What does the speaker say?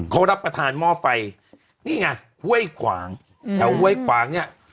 เขารับประทานมอบไปนี่ไงเว้ยขวางแต่ว่าเว้ยขวางเนี่ย